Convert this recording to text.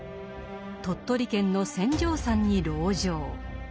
鳥取県の船上山に籠城。